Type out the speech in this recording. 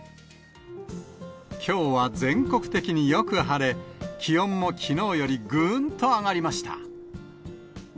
きょうは全国的によく晴れ、気温もきのうよりぐーんと上がりました。